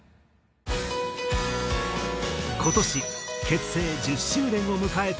今年結成１０周年を迎えた